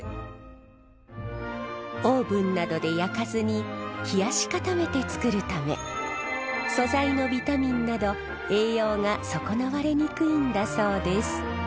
オーブンなどで焼かずに冷やし固めて作るため素材のビタミンなど栄養が損なわれにくいんだそうです。